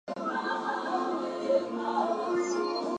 The borough of Houtzdale is directly to the south.